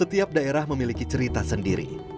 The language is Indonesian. setiap daerah memiliki cerita sendiri